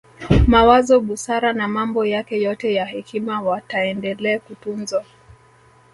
Mawazo busara na mambo yake yote ya hekima yataendele kutunzwa